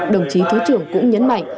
đồng chí thứ trưởng cũng nhấn mạnh